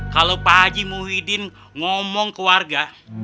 kalau pak haji muhyiddin ngomong ke warga